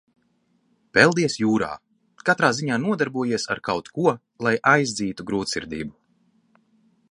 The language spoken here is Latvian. Peldies jūrā, katrā ziņā nodarbojies ar kaut ko, lai aizdzītu grūtsirdību.